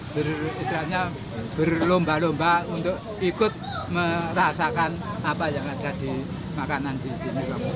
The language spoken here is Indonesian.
beristirahatnya berlomba lomba untuk ikut merasakan apa yang ada di makanan di sini